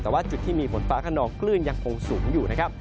แต่ว่าจุดที่มีฝนฟ้าขนองคลื่นยังคงสูงอยู่นะครับ